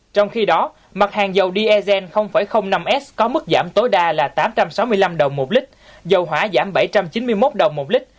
trong khi đó mặt hàng dầu dsn năm s có mức giảm tối đa là tám trăm sáu mươi năm đồng một lít dầu hỏa giảm bảy trăm chín mươi một đồng một lít